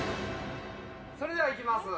それではいきます。